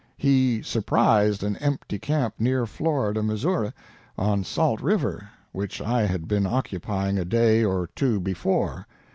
He surprised an empty camp near Florida, Missouri, on Salt River, which I had been occupying a day or two before.